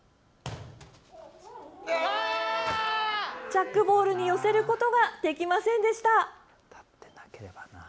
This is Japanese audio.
ジャックボールに寄せることができませんでした。